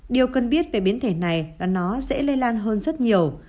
điều cần biết về biến thể này là nó sẽ lây lan hơn rất nhiều